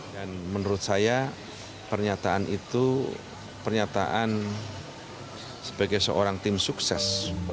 dan menurut saya pernyataan itu pernyataan sebagai seorang tim sukses